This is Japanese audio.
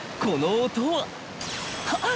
この音は。